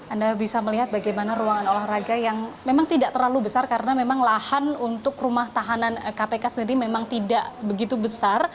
anda bisa melihat bagaimana ruangan olahraga yang memang tidak terlalu besar karena memang lahan untuk rumah tahanan kpk sendiri memang tidak begitu besar